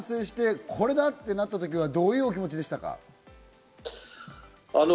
完成して、これだ！となった時、どういうお気持ちでしたか？